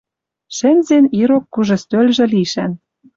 Шӹнзеш ирок кужы стӧлжӹ лишӓн